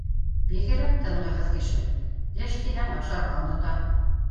Бигерәк тынғыһыҙ кеше, эш тиһәң ашарға онота